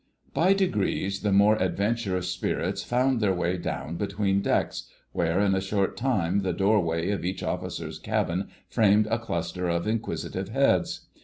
By degrees the more adventurous spirits found their way down between decks, where, in a short time, the doorway of each officer's cabin framed a cluster of inquisitive heads.